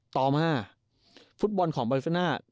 ต่อมาฟุตบอลของบาริเซน่า